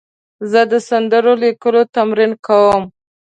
زه د سندرو لیکلو تمرین کوم.